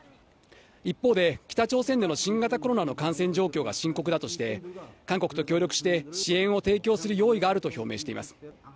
一方で、北朝鮮での新型コロナの感染状況が深刻だとして、韓国と協力して、支援を提供する用意があると表明しています。